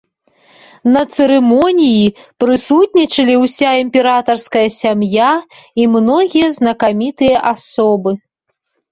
На цырымоніі прысутнічалі ўся імператарская сям'я і многія знакамітыя асобы.